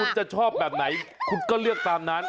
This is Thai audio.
คุณจะชอบแบบไหนคุณก็เลือกตามนั้น